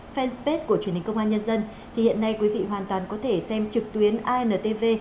fanpage của truyền hình công an nhân dân thì hiện nay quý vị hoàn toàn có thể xem trực tuyến intv